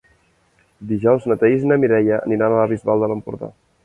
Dijous na Thaís i na Mireia aniran a la Bisbal d'Empordà.